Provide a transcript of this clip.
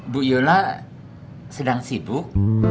bu yola sedang sibuk